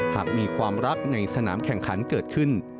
หากมีความรักในสนามแข่งขันเกิดขึ้น